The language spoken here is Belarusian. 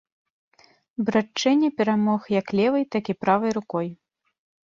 Братчэня перамог як левай, так і правай рукой.